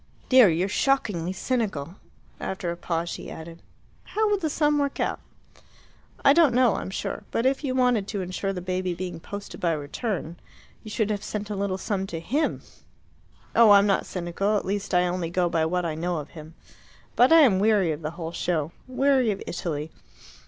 "Dear, you're shockingly cynical." After a pause she added, "How would the sum work out?" "I don't know, I'm sure. But if you wanted to ensure the baby being posted by return, you should have sent a little sum to HIM. Oh, I'm not cynical at least I only go by what I know of him. But I am weary of the whole show. Weary of Italy.